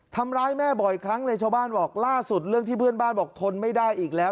ทำร้ายแม่บ่อยครั้งเลยชาวบ้านบอกล่าสุดเรื่องที่เพื่อนบ้านบอกทนไม่ได้อีกแล้ว